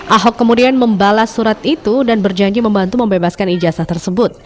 ahok kemudian membalas surat itu dan berjanji membantu membebaskan ijazah tersebut